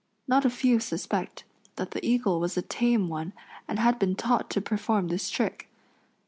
Not a few suspect that the eagle was a tame one and had been taught to perform this trick.